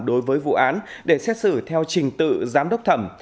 đối với vụ án để xét xử theo trình tự giám đốc thẩm